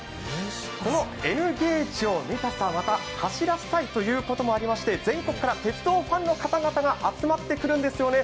このＮゲージを見たい、また走らせたいということで、全国から鉄道ファンの方々が集まってくるんですよね。